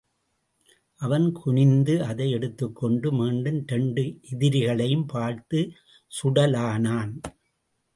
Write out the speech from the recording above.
அவன் குனிந்து அதை எடுத்துக் கொண்டு மீண்டும் இரண்டு எதிரிகளையும் பார்த்து சுடலானான்.